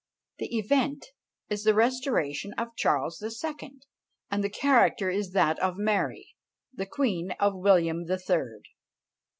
The event is the Restoration of Charles the Second; and the character is that of Mary, the queen of William the Third.